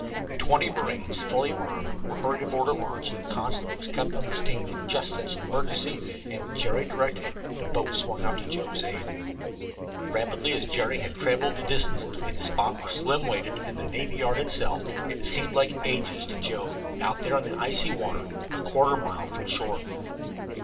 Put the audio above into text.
Twenty marines, fully armed, were hurried aboard a launch that constantly was kept under steam for just such an emergency, and, with Jerry directing, the boat swung out to Joe's aid. Rapidly as Jerry had traveled the distance between the spot where Slim waited and the navy yard itself, it seemed like ages to Joe, out there in the icy water, a quarter of a mile from shore.